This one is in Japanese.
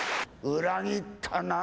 裏切ったな。